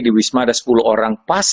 di wisma ada sepuluh orang pas